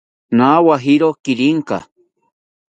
Nawijakiro kirinka